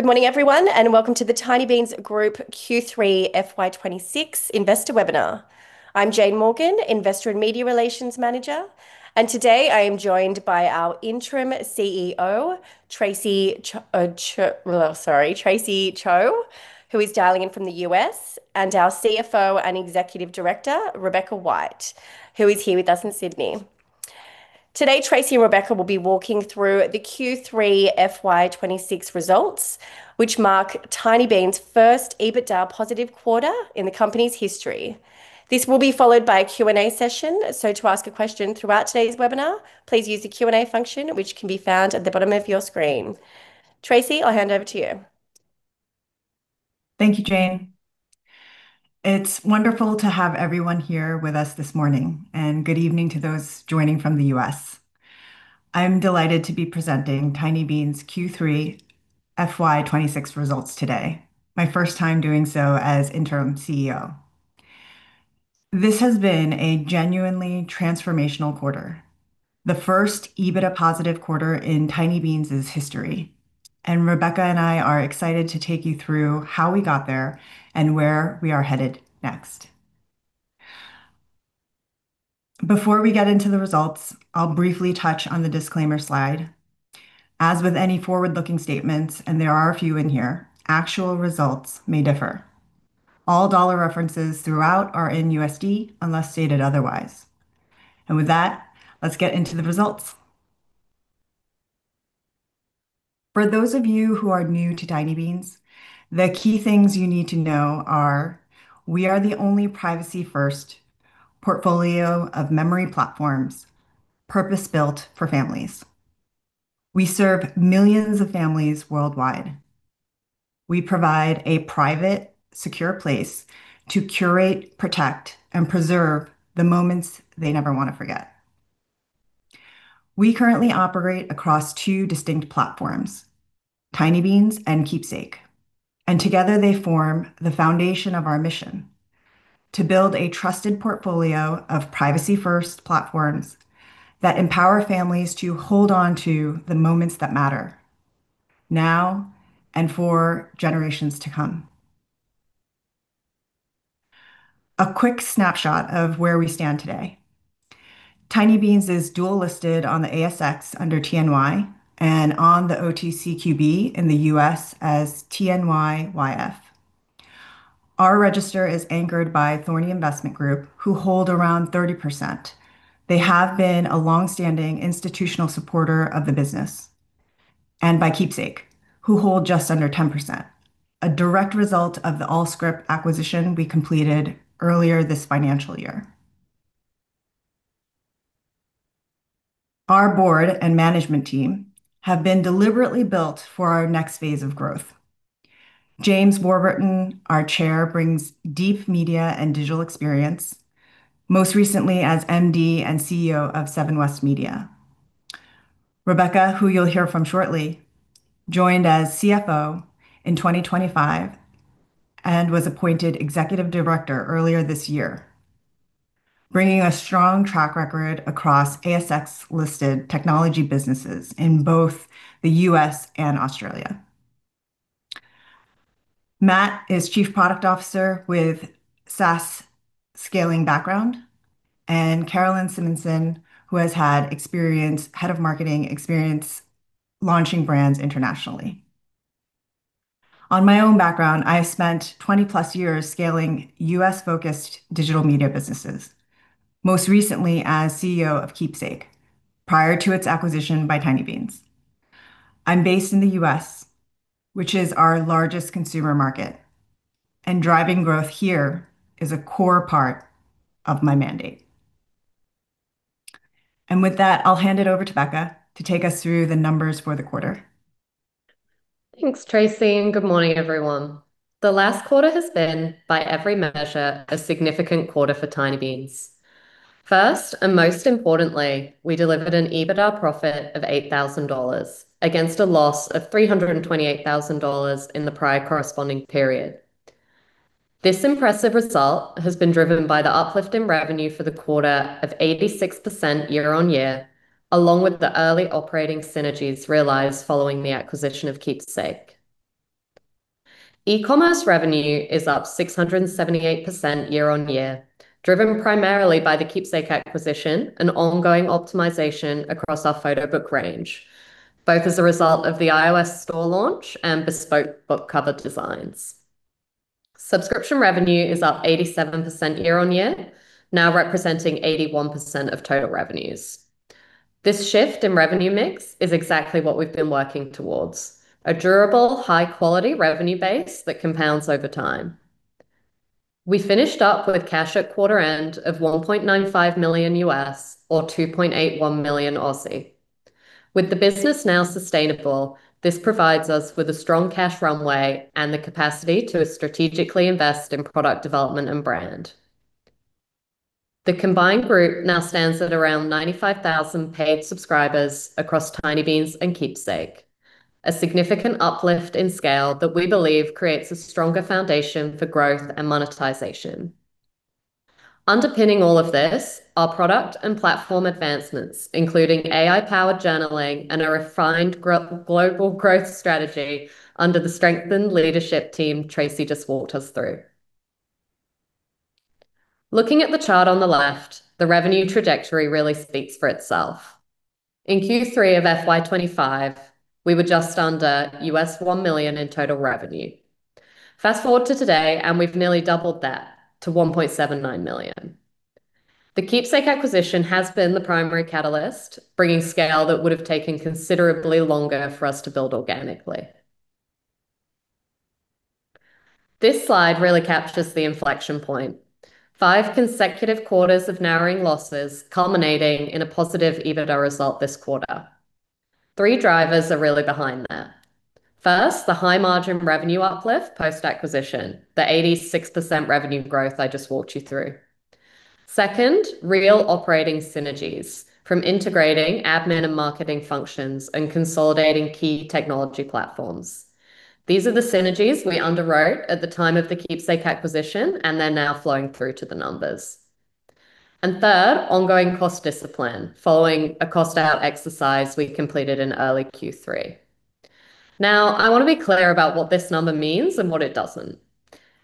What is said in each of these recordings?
Good morning, everyone, and welcome to the Tinybeans Group Q3 FY 2026 Investor Webinar. I'm Jane Morgan, Investor and Media Relations Manager, and today I am joined by our Interim CEO, Tracy Cho, who is dialing in from the U.S., and our CFO and Executive Director, Rebecca White, who is here with us in Sydney. Today, Tracy and Rebecca will be walking through the Q3 FY 2026 results, which mark Tinybeans' first EBITDA positive quarter in the company's history. This will be followed by a Q&A session. To ask a question throughout today's webinar, please use the Q&A function, which can be found at the bottom of your screen. Tracy, I'll hand over to you. Thank you, Jane. It's wonderful to have everyone here with us this morning, and good evening to those joining from the U.S. I'm delighted to be presenting Tinybeans' Q3 FY 2026 results today, my first time doing so as Interim CEO. This has been a genuinely transformational quarter, the first EBITDA positive quarter in Tinybeans' history, and Rebecca and I are excited to take you through how we got there and where we are headed next. Before we get into the results, I'll briefly touch on the disclaimer slide. As with any forward-looking statements, and there are a few in here, actual results may differ. All dollar references throughout are in USD, unless stated otherwise. With that, let's get into the results. For those of you who are new to Tinybeans, the key things you need to know are: we are the only privacy-first portfolio of memory platforms purpose-built for families. We serve millions of families worldwide. We provide a private, secure place to curate, protect, and preserve the moments they never wanna forget. We currently operate across two distinct platforms: Tinybeans and Qeepsake. Together they form the foundation of our mission to build a trusted portfolio of privacy-first platforms that empower families to hold onto the moments that matter now and for generations to come. A quick snapshot of where we stand today. Tinybeans is dual listed on the ASX under TNY and on the OTCQB in the U.S. as TNYYF. Our register is anchored by Thorney Investment Group, who hold around 30%. They have been a longstanding institutional supporter of the business, and by Qeepsake, who hold just under 10%, a direct result of the all-scrip acquisition we completed earlier this financial year. Our board and management team have been deliberately built for our next phase of growth. James Warburton, our chair, brings deep media and digital experience, most recently as MD and CEO of Seven West Media. Rebecca, who you'll hear from shortly, joined as CFO in 2025 and was appointed Executive Director earlier this year, bringing a strong track record across ASX-listed technology businesses in both the U.S. and Australia. Matt is Chief Product Officer with SaaS scaling background. Carolyn Simensen, who has had Head of Marketing experience launching brands internationally. On my own background, I have spent 20+ years scaling U.S.-focused digital media businesses, most recently as CEO of Qeepsake prior to its acquisition by Tinybeans. I'm based in the U.S., which is our largest consumer market, and driving growth here is a core part of my mandate. With that, I'll hand it over to Becca to take us through the numbers for the quarter. Thanks, Tracy, and good morning, everyone. The last quarter has been, by every measure, a significant quarter for Tinybeans. First, most importantly, we delivered an EBITDA profit of $8,000 against a loss of $328,000 in the prior corresponding period. This impressive result has been driven by the uplift in revenue for the quarter of 86% year-on-year, along with the early operating synergies realized following the acquisition of Qeepsake. E-commerce revenue is up 678% year-on-year, driven primarily by the Qeepsake acquisition and ongoing optimization across our photo book range, both as a result of the iOS store launch and bespoke book cover designs. Subscription revenue is up 87% year-on-year, now representing 81% of total revenues. This shift in revenue mix is exactly what we've been working towards, a durable, high-quality revenue base that compounds over time. We finished up with cash at quarter end of $1.95 million or 2.81 million. With the business now sustainable, this provides us with a strong cash runway and the capacity to strategically invest in product development and brand. The combined group now stands at around 95,000 paid subscribers across Tinybeans and Qeepsake, a significant uplift in scale that we believe creates a stronger foundation for growth and monetization. Underpinning all of this are product and platform advancements, including AI-powered journaling and a refined global growth strategy under the strengthened leadership team Tracy just walked us through. Looking at the chart on the left, the revenue trajectory really speaks for itself. In Q3 of FY 2025, we were just under $1 million in total revenue. Fast-forward to today, we've nearly doubled that to $1.79 million. The Qeepsake acquisition has been the primary catalyst, bringing scale that would've taken considerably longer for us to build organically. This slide really captures the inflection point. Five consecutive quarters of narrowing losses culminating in a positive EBITDA result this quarter. Three drivers are really behind that. First, the high margin revenue uplift post-acquisition, the 86% revenue growth I just walked you through. Second, real operating synergies from integrating admin and marketing functions and consolidating key technology platforms. These are the synergies we underwrote at the time of the Qeepsake acquisition, and they're now flowing through to the numbers. Third, ongoing cost discipline following a cost-out exercise we completed in early Q3. Now, I wanna be clear about what this number means and what it doesn't.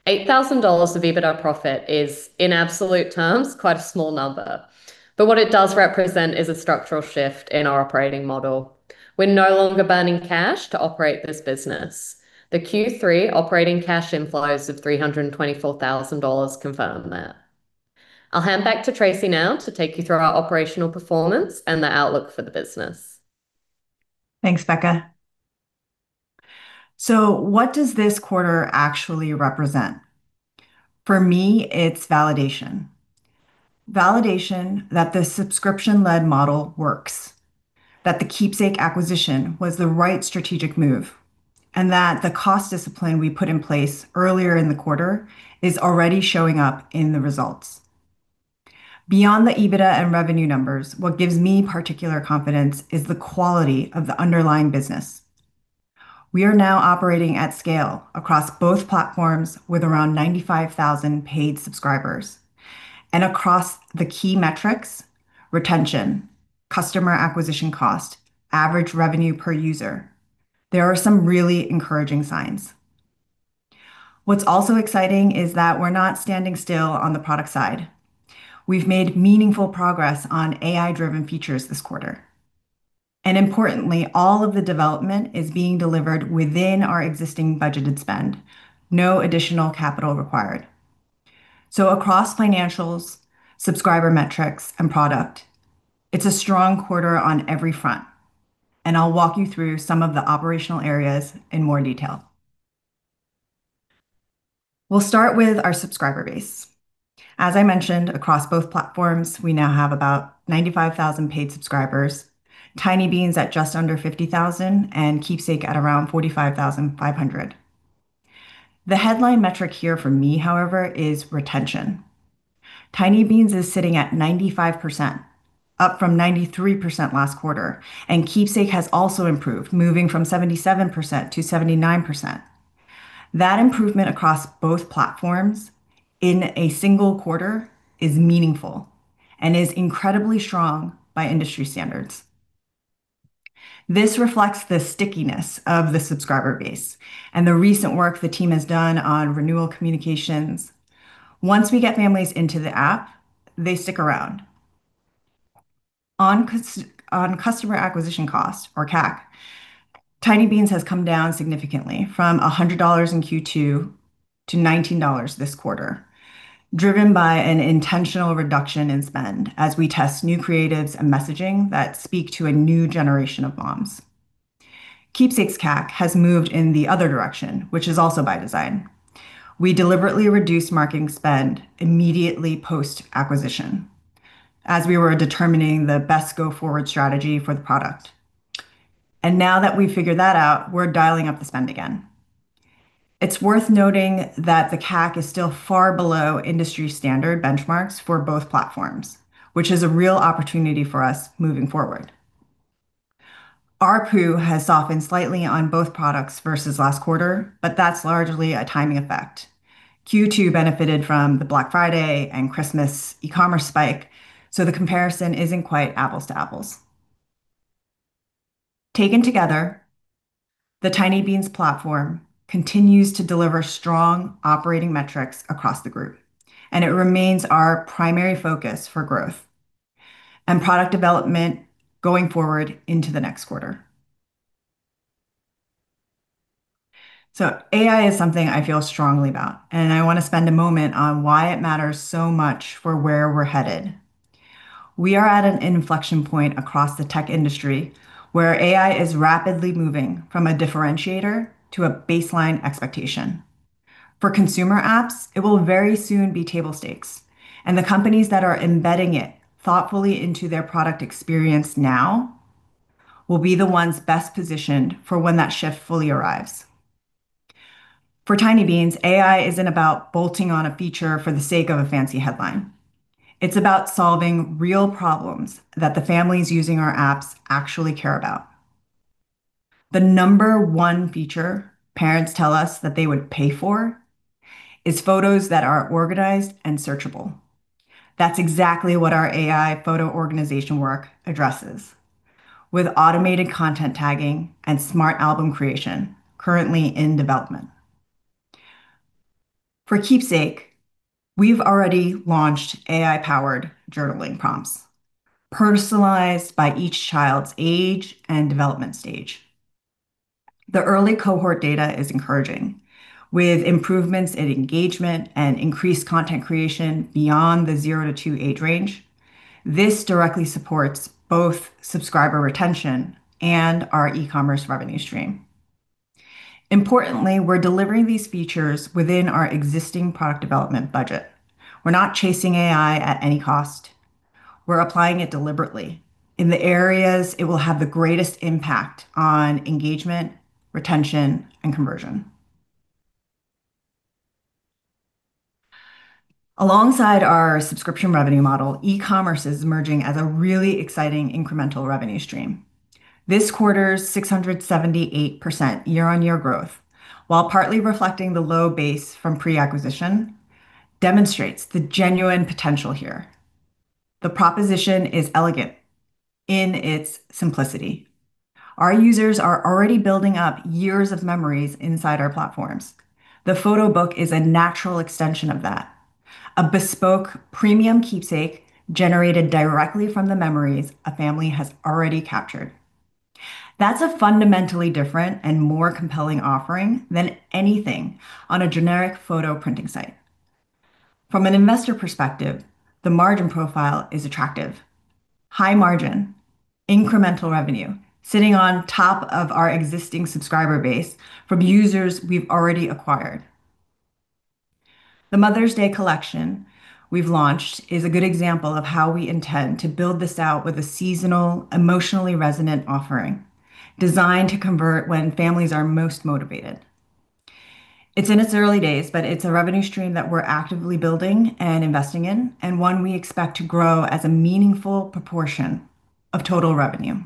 $8,000 of EBITDA profit is, in absolute terms, quite a small number, but what it does represent is a structural shift in our operating model. We're no longer burning cash to operate this business. The Q3 operating cash inflows of $324,000 confirm that. I'll hand back to Tracy now to take you through our operational performance and the outlook for the business. Thanks, Becca. What does this quarter actually represent? For me, it's validation. Validation that the subscription-led model works, that the Qeepsake acquisition was the right strategic move, and that the cost discipline we put in place earlier in the quarter is already showing up in the results. Beyond the EBITDA and revenue numbers, what gives me particular confidence is the quality of the underlying business. We are now operating at scale across both platforms with around 95,000 paid subscribers. Across the key metrics, retention, customer acquisition cost, average revenue per user; there are some really encouraging signs. What's also exciting is that we're not standing still on the product side. We've made meaningful progress on AI-driven features this quarter. Importantly, all of the development is being delivered within our existing budgeted spend, no additional capital required. Across financials, subscriber metrics, and product, it's a strong quarter on every front, and I'll walk you through some of the operational areas in more detail. We'll start with our subscriber base. As I mentioned, across both platforms, we now have about 95,000 paid subscribers, Tinybeans at just under 50,000 and Qeepsake at around 45,500. The headline metric here for me, however, is retention. Tinybeans is sitting at 95%, up from 93% last quarter, and Qeepsake has also improved, moving from 77% to 79%. That improvement across both platforms in a single quarter is meaningful and is incredibly strong by industry standards. This reflects the stickiness of the subscriber base and the recent work the team has done on renewal communications. Once we get families into the app, they stick around. On customer acquisition cost, or CAC, Tinybeans has come down significantly from $100 in Q2 to $19 this quarter, driven by an intentional reduction in spend as we test new creatives and messaging that speak to a new generation of moms. Qeepsake's CAC has moved in the other direction, which is also by design. We deliberately reduced marketing spend immediately post-acquisition as we were determining the best go-forward strategy for the product. Now that we've figured that out, we're dialing up the spend again. It's worth noting that the CAC is still far below industry standard benchmarks for both platforms, which is a real opportunity for us moving forward. ARPU has softened slightly on both products versus last quarter, that's largely a timing effect. Q2 benefited from the Black Friday and Christmas e-commerce spike, the comparison isn't quite apples to apples. Taken together, the Tinybeans platform continues to deliver strong operating metrics across the group, and it remains our primary focus for growth and product development going forward into the next quarter. AI is something I feel strongly about, and I wanna spend a moment on why it matters so much for where we're headed. We are at an inflection point across the tech industry where AI is rapidly moving from a differentiator to a baseline expectation. For consumer apps, it will very soon be table stakes, and the companies that are embedding it thoughtfully into their product experience now will be the ones best positioned for when that shift fully arrives. For Tinybeans, AI isn't about bolting on a feature for the sake of a fancy headline. It's about solving real problems that the families using our apps actually care about. The number one feature parents tell us that they would pay for is photos that are organized and searchable. That's exactly what our AI photo organization work addresses, with automated content tagging and smart album creation currently in development. For Qeepsake, we've already launched AI-powered journaling prompts personalized by each child's age and development stage. The early cohort data is encouraging, with improvements in engagement and increased content creation beyond the zero to two age range. This directly supports both subscriber retention and our e-commerce revenue stream. Importantly, we're delivering these features within our existing product development budget. We're not chasing AI at any cost. We're applying it deliberately in the areas it will have the greatest impact on engagement, retention, and conversion. Alongside our subscription revenue model, e-commerce is emerging as a really exciting incremental revenue stream. This quarter's 678% year-on-year growth, while partly reflecting the low base from pre-acquisition, demonstrates the genuine potential here. The proposition is elegant in its simplicity. Our users are already building up years of memories inside our platforms. The photo book is a natural extension of that. A bespoke premium Qeepsake generated directly from the memories a family has already captured. That's a fundamentally different and more compelling offering than anything on a generic photo printing site. From an investor perspective, the margin profile is attractive. High margin, incremental revenue sitting on top of our existing subscriber base from users we've already acquired. The Mother's Day collection we've launched is a good example of how we intend to build this out with a seasonal, emotionally resonant offering designed to convert when families are most motivated. It's in its early days, but it's a revenue stream that we're actively building and investing in, and one we expect to grow as a meaningful proportion of total revenue.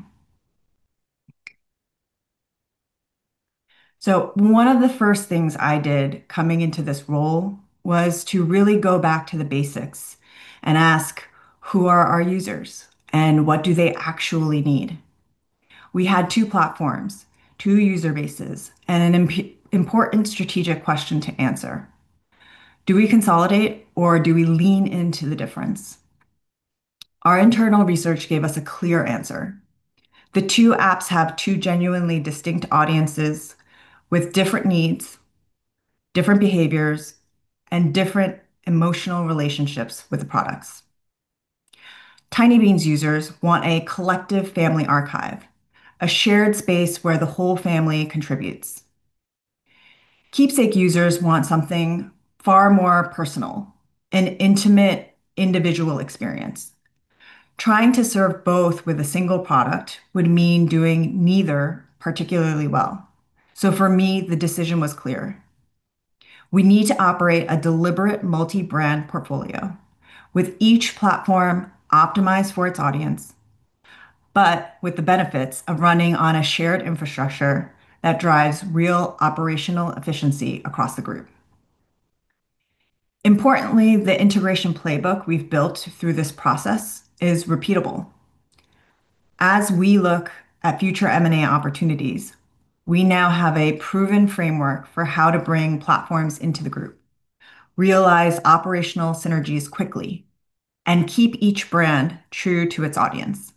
One of the first things I did coming into this role was to really go back to the basics and ask, "Who are our users, and what do they actually need?" We had two platforms, two user bases, and an important strategic question to answer. Do we consolidate or do we lean into the difference? Our internal research gave us a clear answer. The two apps have two genuinely distinct audiences with different needs, different behaviors, and different emotional relationships with the products. Tinybeans users want a collective family archive, a shared space where the whole family contributes. Qeepsake users want something far more personal, an intimate individual experience. Trying to serve both with a single product would mean doing neither particularly well. For me, the decision was clear. We need to operate a deliberate multi-brand portfolio with each platform optimized for its audience, but with the benefits of running on a shared infrastructure that drives real operational efficiency across the group. Importantly, the integration playbook we've built through this process is repeatable. As we look at future M&A opportunities, we now have a proven framework for how to bring platforms into the group, realize operational synergies quickly, and keep each brand true to its audience.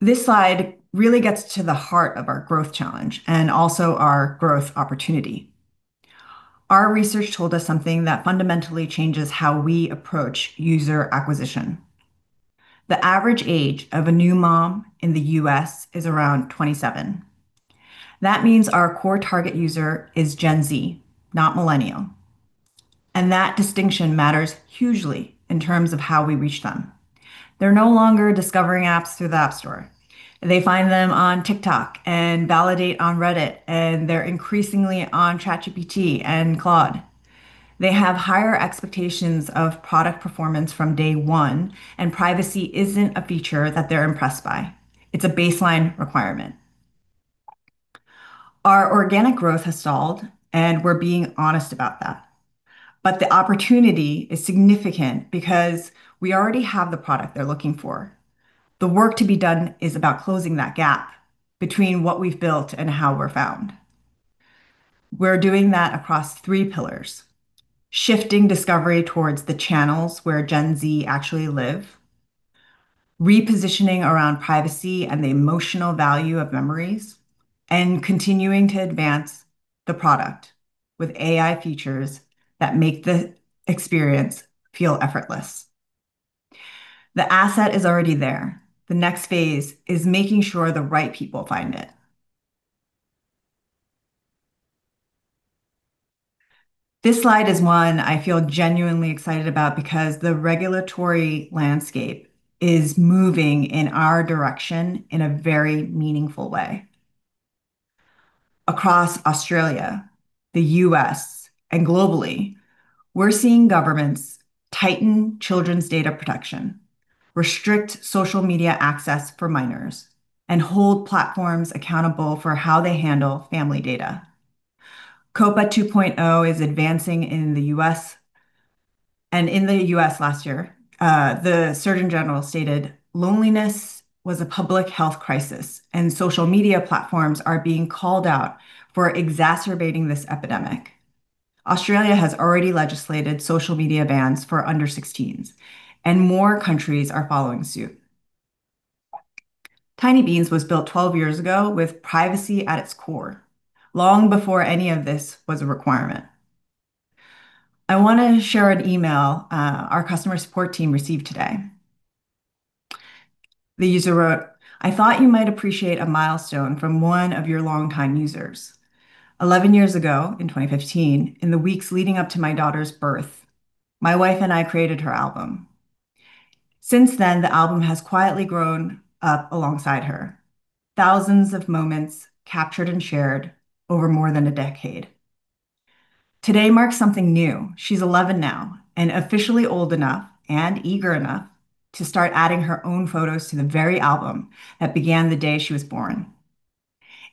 This slide really gets to the heart of our growth challenge and also our growth opportunity. Our research told us something that fundamentally changes how we approach user acquisition. The average age of a new mom in the U.S. is around 27. That means our core target user is Gen Z, not millennial. That distinction matters hugely in terms of how we reach them. They're no longer discovering apps through the app store. They find them on TikTok and validate on Reddit, and they're increasingly on ChatGPT and Claude. They have higher expectations of product performance from day one, and privacy isn't a feature that they're impressed by. It's a baseline requirement. Our organic growth has stalled, and we're being honest about that. The opportunity is significant because we already have the product they're looking for. The work to be done is about closing that gap between what we've built and how we're found. We're doing that across three pillars. Shifting discovery towards the channels where Gen Z actually live, repositioning around privacy and the emotional value of memories, and continuing to advance the product with AI features that make the experience feel effortless. The asset is already there. The next phase is making sure the right people find it. This slide is one I feel genuinely excited about because the regulatory landscape is moving in our direction in a very meaningful way. Across Australia, the U.S., and globally, we're seeing governments tighten children's data protection, restrict social media access for minors, and hold platforms accountable for how they handle family data. COPPA 2.0 is advancing in the U.S., and in the U.S. last year, the surgeon general stated loneliness was a public health crisis, and social media platforms are being called out for exacerbating this epidemic. Australia has already legislated social media bans for under 16s, and more countries are following suit. Tinybeans was built 12 years ago with privacy at its core, long before any of this was a requirement. I wanna share an email our customer support team received today. The user wrote, "I thought you might appreciate a milestone from one of your longtime users. 11 years ago in 2015, in the weeks leading up to my daughter's birth, my wife and I created her album. Since then, the album has quietly grown up alongside her. Thousands of moments captured and shared over more than a decade. Today marks something new. She's 11 now and officially old enough and eager enough to start adding her own photos to the very album that began the day she was born.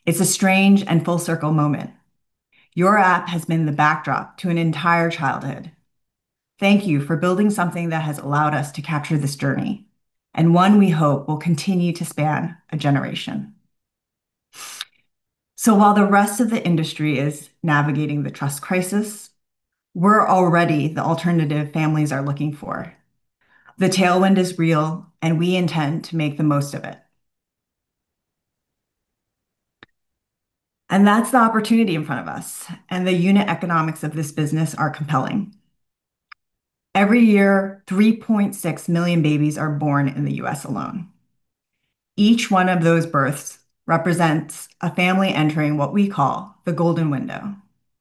It's a strange and full circle moment. Your app has been the backdrop to an entire childhood. Thank you for building something that has allowed us to capture this journey, and one we hope will continue to span a generation. While the rest of the industry is navigating the trust crisis, we're already the alternative families are looking for. The tailwind is real, and we intend to make the most of it. That's the opportunity in front of us, and the unit economics of this business are compelling. Every year, 3.6 million babies are born in the U.S. alone. Each one of those births represents a family entering what we call the golden window,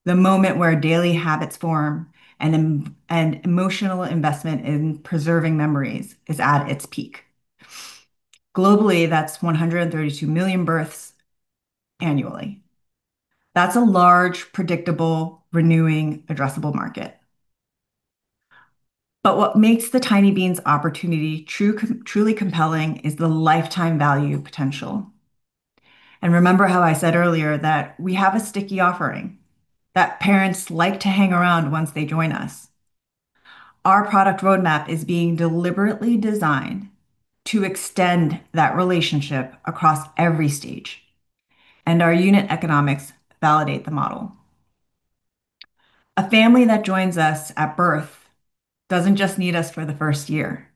the moment where daily habits form and emotional investment in preserving memories is at its peak. Globally, that's 132 million births annually. That's a large, predictable, renewing, addressable market. What makes the Tinybeans opportunity truly compelling is the lifetime value potential. Remember how I said earlier that we have a sticky offering, that parents like to hang around once they join us. Our product roadmap is being deliberately designed to extend that relationship across every stage, and our unit economics validate the model. A family that joins us at birth doesn't just need us for the first year.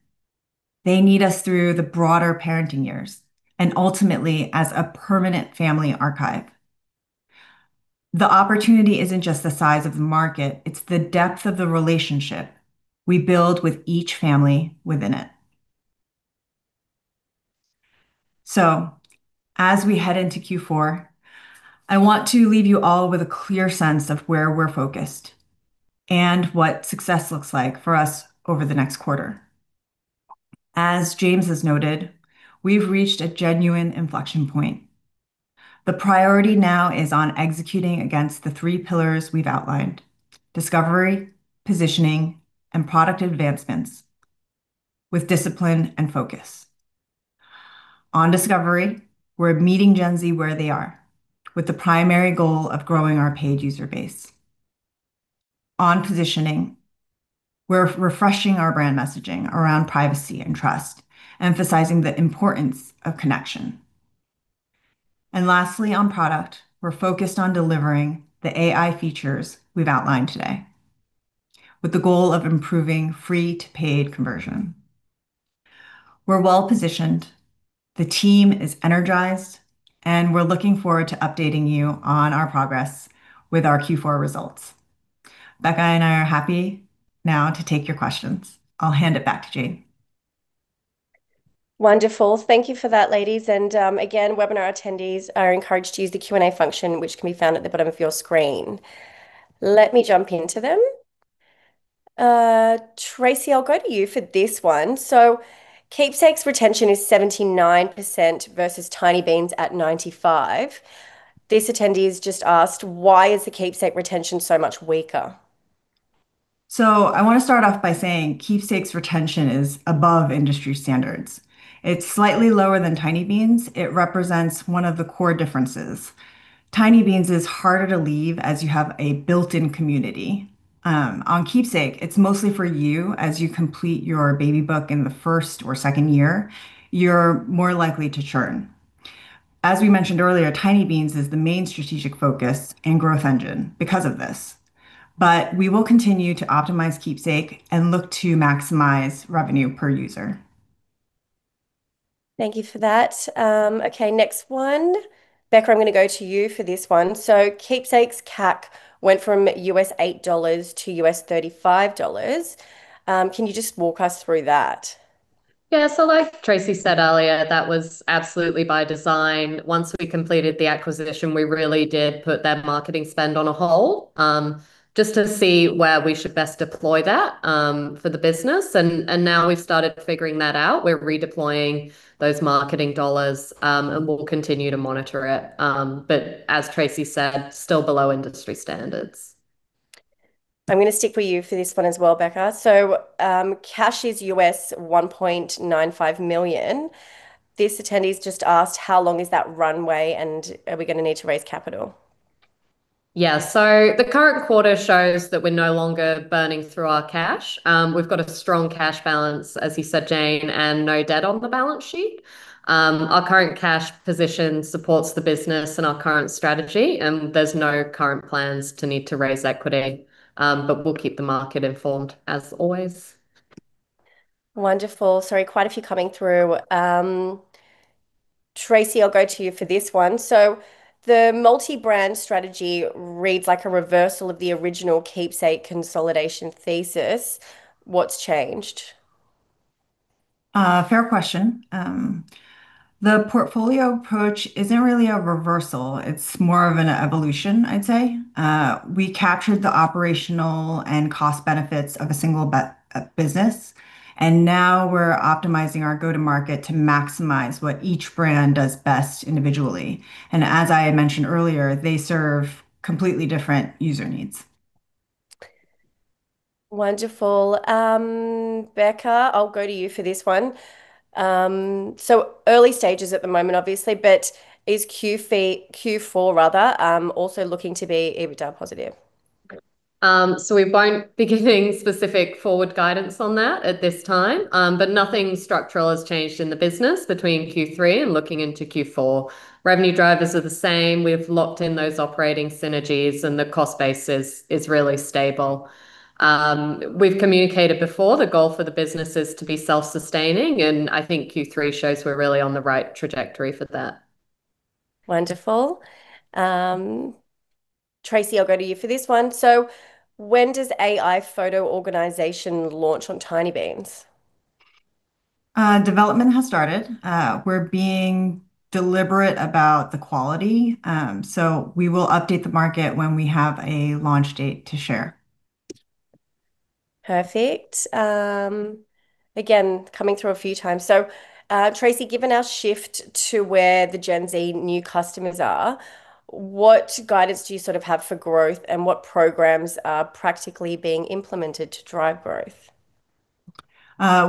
They need us through the broader parenting years and ultimately as a permanent family archive. The opportunity isn't just the size of the market, it's the depth of the relationship we build with each family within it. As we head into Q4, I want to leave you all with a clear sense of where we're focused, and what success looks like for us over the next quarter. As James has noted, we've reached a genuine inflection point. The priority now is on executing against the three pillars we've outlined: discovery, positioning, and product advancements with discipline and focus. On discovery, we're meeting Gen Z where they are with the primary goal of growing our paid user base. On positioning, we're refreshing our brand messaging around privacy and trust, emphasizing the importance of connection. Lastly, on product, we're focused on delivering the AI features we've outlined today with the goal of improving free-to-paid conversion. We're well-positioned. The team is energized, and we're looking forward to updating you on our progress with our Q4 results. Becca and I are happy now to take your questions. I'll hand it back to Jane. Wonderful. Thank you for that, ladies. Again, webinar attendees are encouraged to use the Q&A function, which can be found at the bottom of your screen. Let me jump into them. Tracy, I'll go to you for this one. Qeepsake's retention is 79% versus Tinybeans at 95%. This attendee has just asked: Why is the Qeepsake retention so much weaker? I want to start off by saying Qeepsake's retention is above industry standards. It's slightly lower than Tinybeans. It represents one of the core differences. Tinybeans is harder to leave, as you have a built-in community. On Qeepsake, it's mostly for you. As you complete your baby book in the first or second year, you're more likely to churn. As we mentioned earlier, Tinybeans is the main strategic focus and growth engine because of this. We will continue to optimize Qeepsake and look to maximize revenue per user. Thank you for that. Okay, next one. Becca, I'm gonna go to you for this one. Qeepsake's CAC went from $8 to $35. Can you just walk us through that? Yeah. Like Tracy said earlier, that was absolutely by design. Once we completed the acquisition, we really did put that marketing spend on a hold, just to see where we should best deploy that for the business. Now we've started figuring that out. We're redeploying those marketing dollars, and we'll continue to monitor it. As Tracy said, still below industry standards. I'm gonna stick with you for this one as well, Becca. Cash is $1.95 million. This attendee's just asked how long is that runway and are we gonna need to raise capital? Yeah. The current quarter shows that we're no longer burning through our cash. We've got a strong cash balance, as you said, Jane, and no debt on the balance sheet. Our current cash position supports the business and our current strategy, and there's no current plans to need to raise equity. We'll keep the market informed as always. Wonderful. Sorry, quite a few coming through. Tracy, I'll go to you for this one. The multi-brand strategy reads like a reversal of the original Qeepsake consolidation thesis. What's changed? Fair question. The portfolio approach isn't really a reversal. It's more of an evolution, I'd say. We captured the operational and cost benefits of a single business, and now we're optimizing our go-to-market to maximize what each brand does best individually. As I had mentioned earlier, they serve completely different user needs. Wonderful. Becca, I'll go to you for this one. Early stages at the moment obviously, but is Q3... Q4 rather, also looking to be EBITDA positive? We won't be giving specific forward guidance on that at this time. Nothing structural has changed in the business between Q3 and looking into Q4. Revenue drivers are the same. We've locked in those operating synergies, and the cost base is really stable. We've communicated before the goal for the business is to be self-sustaining, and I think Q3 shows we're really on the right trajectory for that. Wonderful. Tracy, I'll go to you for this one. When does AI photo organization launch on Tinybeans? Development has started. We're being deliberate about the quality. We will update the market when we have a launch date to share. Perfect. again, coming through a few times. Tracy, given our shift to where the Gen Z new customers are, what guidance do you sort of have for growth, and what programs are practically being implemented to drive growth?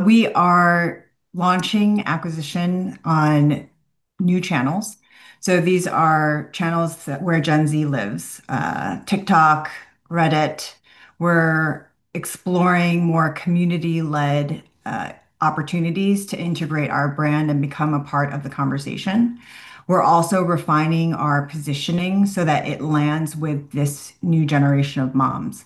We are launching acquisition on new channels. These are channels where Gen Z lives, TikTok, Reddit. We're exploring more community-led opportunities to integrate our brand and become a part of the conversation. We're also refining our positioning so that it lands with this new generation of moms.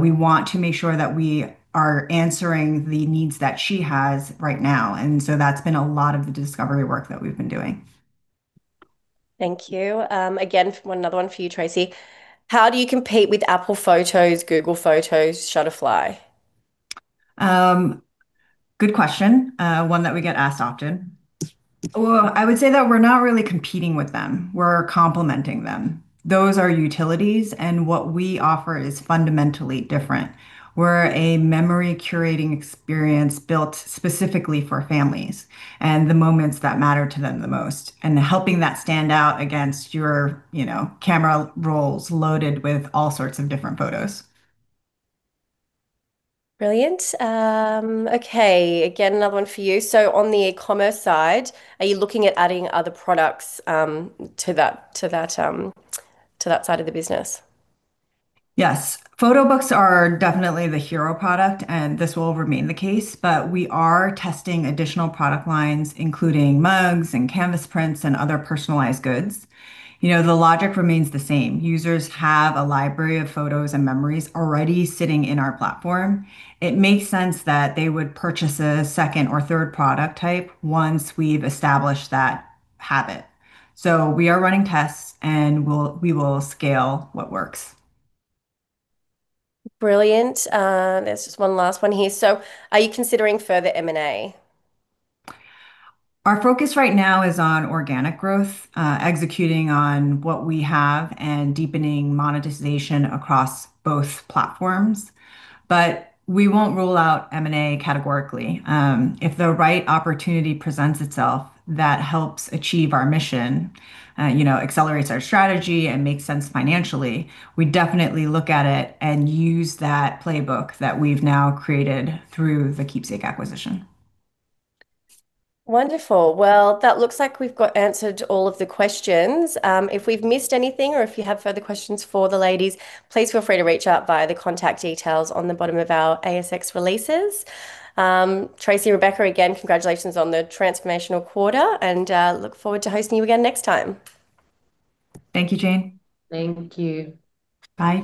We want to make sure that we are answering the needs that she has right now, and so that's been a lot of the discovery work that we've been doing. Thank you. Again, another one for you, Tracy. How do you compete with Apple Photos, Google Photos, Shutterfly? Good question. One that we get asked often. Well, I would say that we're not really competing with them. We're complementing them. Those are utilities, and what we offer is fundamentally different. We're a memory curating experience built specifically for families and the moments that matter to them the most, and helping that stand out against your, you know, camera rolls loaded with all sorts of different photos. Brilliant. Okay. Again, another one for you. On the e-commerce side, are you looking at adding other products, to that side of the business? Yes. Photo books are definitely the hero product, and this will remain the case. We are testing additional product lines, including mugs and canvas prints and other personalized goods. You know, the logic remains the same. Users have a library of photos and memories already sitting in our platform. It makes sense that they would purchase a second or third product type once we've established that habit. We are running tests, and we will scale what works. Brilliant. There's just one last one here. Are you considering further M&A? Our focus right now is on organic growth, executing on what we have and deepening monetization across both platforms, but we won't rule out M&A categorically. If the right opportunity presents itself that helps achieve our mission, you know, accelerates our strategy and makes sense financially, we'd definitely look at it and use that playbook that we've now created through the Qeepsake acquisition. Wonderful. Well, that looks like we've got answer to all of the questions. If we've missed anything or if you have further questions for the ladies, please feel free to reach out via the contact details on the bottom of our ASX releases. Tracy, Rebecca, again, congratulations on the transformational quarter and look forward to hosting you again next time. Thank you, Jane. Thank you. Bye.